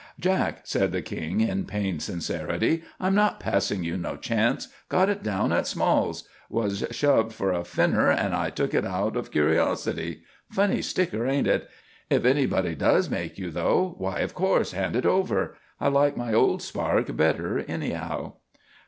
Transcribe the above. "Jack," said the King in pained sincerity, "I'm not passing you no chance. Got it down at Small's. Was shoved for a finner and I took it out of curiosity. Funny sticker, ain't it? If anybody does make you though, why of course, hand it over. I like my old spark better anyhow."